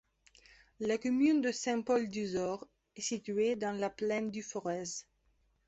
La commune de Saint-Paul-d'Uzore est située dans la plaine du Forez.